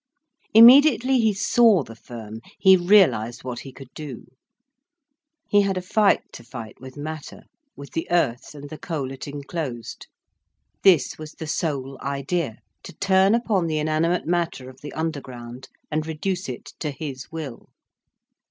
Immediately he saw the firm, he realised what he could do. He had a fight to fight with Matter, with the earth and the coal it enclosed. This was the sole idea, to turn upon the inanimate matter of the underground, and reduce it to his will.